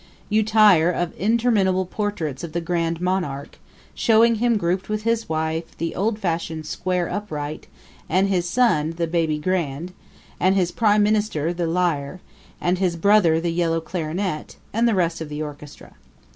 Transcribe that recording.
You tire of interminable portraits of the Grand Monarch, showing him grouped with his wife, the Old fashioned Square Upright; and his son, the Baby Grand; and his prime minister, the Lyre; and his brother, the Yellow Clarinet, and the rest of the orchestra.